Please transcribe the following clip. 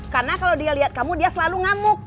karena kalau dia lihat kamu dia selalu ngamuk